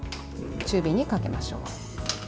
中火にかけましょう。